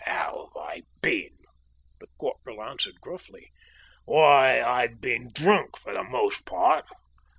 "How have I been?" the corporal answered gruffly. "Why, I have been drunk for the most part.